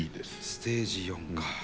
ステージⅣかあ。